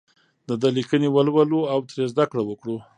د ده لیکنې ولولو او ترې زده کړه وکړو.